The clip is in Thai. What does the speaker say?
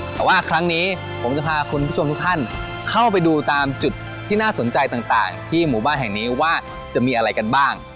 แต่ว่าครั้งนี้ผมจะพาคุณผู้ชมทุกท่านเข้าไปดูตามจุดที่น่าสนใจต่างที่หมู่บ้านแห่งนี้ว่าจะมีอะไรกันบ้าง